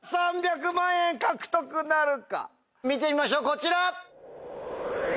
３００万円獲得なるか見てみましょうこちら！